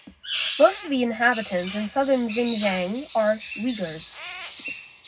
Most of the inhabitants in Southern Xinjiang are Uyghurs.